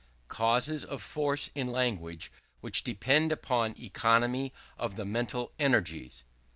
CAUSES OF FORCE IN LANGUAGE WHICH DEPEND UPON ECONOMY OF THE MENTAL ENERGIES.